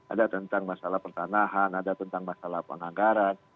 ada tentang masalah pertanahan ada tentang masalah penganggaran